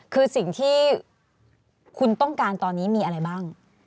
คือสิ่งที่คุณต้องการตอนนี้มีอะไรบ้าง